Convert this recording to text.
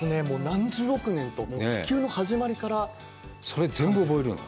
何十億年と地球の始まりからそれ全部覚えるの？